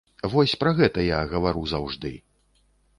Вось пра гэта я гавару заўжды.